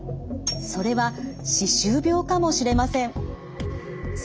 それは歯周病かもしれません。